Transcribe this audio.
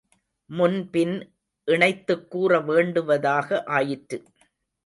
முன்பின் இணைத்துக் கூற வேண்டுவதாக ஆயிற்று.